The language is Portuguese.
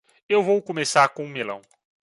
Eu vou começar com um melão.